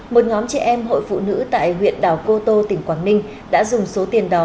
một nhóm trẻ em hội phụ nữ tại huyện đảo cô tô tỉnh quảng ninh đã dùng số tiền đó